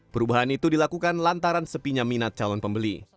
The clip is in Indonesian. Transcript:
perubahan itu dilakukan lantaran sepinya minat calon pembeli